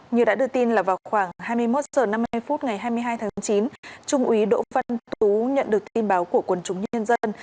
như đã được tin là vào khoảng hai mươi một h năm mươi ngày hai mươi hai tháng chín trung ủy đỗ văn tú nhận được tin báo của quân chúng nhân dân